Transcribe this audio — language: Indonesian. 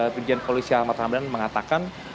bidian polisi alam pertama dan mengatakan